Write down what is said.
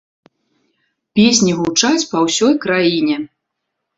Песні гучаць па ўсёй краіне.